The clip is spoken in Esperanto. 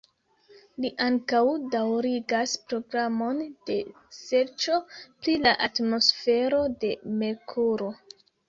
Li ankaŭ daŭrigas programon de serĉo pri la atmosfero de Merkuro.